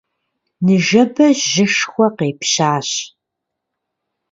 Ныжэбэ жьышхуэ къепщащ.